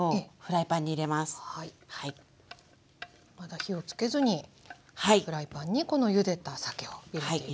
まだ火をつけずにフライパンにこのゆでたさけを入れていくと。